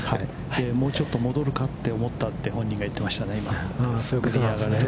もうちょっと戻るかと思ったと本人が言っていましたね、今。